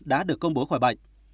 đã được công bố khỏi bệnh